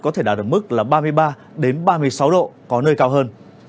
có thể đạt được mức là ba mươi ba ba mươi sáu độ có nơi cao hơn